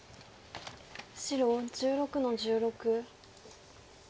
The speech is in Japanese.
白１６の十六。